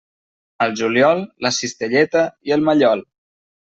Al juliol, la cistelleta i el mallol.